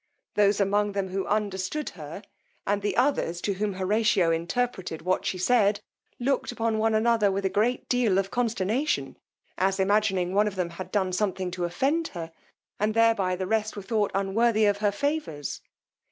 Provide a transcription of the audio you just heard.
Those among them who understood her, and the others to whom Horatio interpreted what she said, looked one upon another with a great deal of consternation, as imagining one of them had done something to offend her, and thereby the rest were thought unworthy of her favours.